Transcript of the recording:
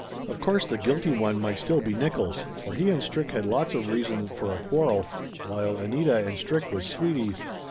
Of course the guilty one might still be Nickolls, for he and Strick had lots of reason for a quarrel, while Anita and Strick was sweeties.